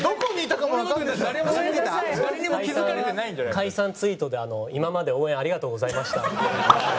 解散ツイートで「今まで応援ありがとうございました」って。